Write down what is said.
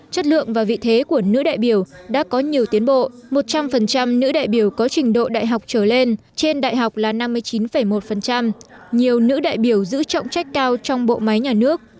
chất lượng và vị thế của nữ đại biểu đã có nhiều tiến bộ một trăm linh nữ đại biểu có trình độ đại học trở lên trên đại học là năm mươi chín một nhiều nữ đại biểu giữ trọng trách cao trong bộ máy nhà nước